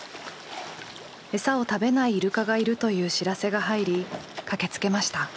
餌を食べないイルカがいるという知らせが入り駆けつけました。